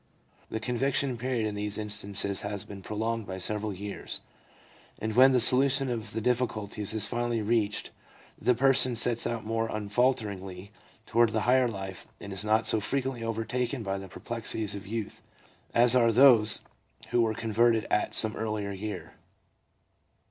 The conviction period in these instances has been prolonged by several years, and when the solution of the difficulties is finally reached, the person sets out more unfalteringly toward the higher life and is not so frequently overtaken by the perplexities of youth as are those who were converted at some earlier year.